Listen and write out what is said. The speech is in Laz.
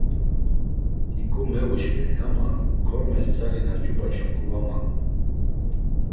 Hiǩu mevuşveli ama kormes tzari na cubay şuǩu var malu.